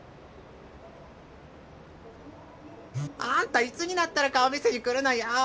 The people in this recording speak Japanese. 「あんたいつになったら顔見せに来るのよ！